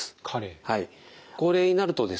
高齢になるとですね